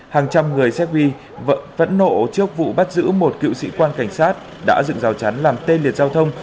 hàng trăm người serbia vẫn nộ trước vụ bắt giữ một cựu sĩ quan cảnh sát đã dựng rào chắn làm tê liệt giao thông